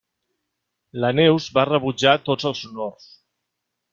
La Neus va rebutjar tots els honors.